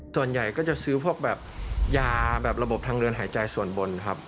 ส่วนใหญ่ก็จะซื้อพวกแบบยาแบบระบบทางเดินหายใจส่วนบนครับ